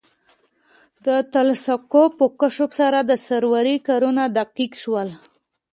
د تلسکوپ په کشف سره د سروې کارونه دقیق شول